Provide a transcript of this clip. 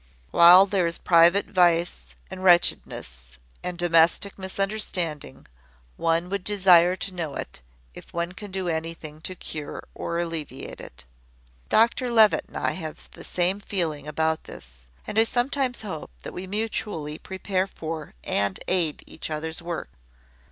While there is private vice and wretchedness, and domestic misunderstanding, one would desire to know it, if one can do anything to cure or alleviate it. Dr Levitt and I have the same feeling about this; and I sometimes hope that we mutually prepare for and aid each other's work.